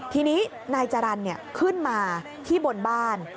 ทีนี้นายจรรย์ขึ้นมาที่บนบ้าน